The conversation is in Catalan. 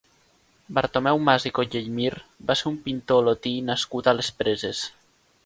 Bartomeu Mas i Collellmir va ser un pintor olotí nascut a les Preses.